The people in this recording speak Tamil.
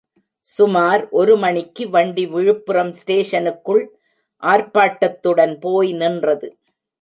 சுமார் ஒரு மணிக்கு வண்டி விழுப்புரம் ஸ்டேஷனுக்குள் ஆர்ப்பாட்டத்துடன் போய் நின்றது.